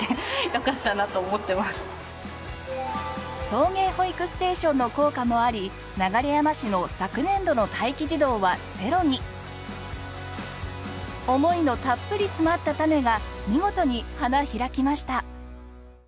送迎保育ステーションの効果もあり流山市の思いのたっぷり詰まったタネが見事に花開きました。